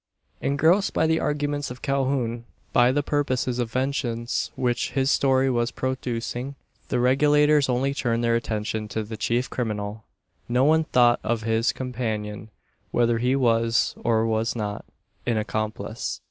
Engrossed by the arguments of Calhoun by the purposes of vengeance which his story was producing the Regulators only turned their attention to the chief criminal. No one thought of his companion whether he was, or was not, an accomplice.